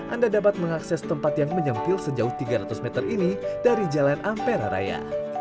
anda dapat mengakses tempat yang menyempil sejauh tiga ratus meter ini dari jalan ampera raya